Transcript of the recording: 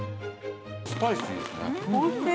スパイシーですね。